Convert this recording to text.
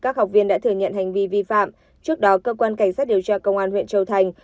các học viên đã thừa nhận hành vi vi phạm trước đó cơ quan cảnh sát điều tra công an huyện châu thành